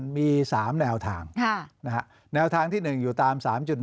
มี๓แนวทางแนวทางที่๑อยู่ตาม๓๑